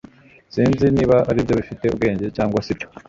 Sinzi niba aribyo bifite ubwenge cyangwa sibyo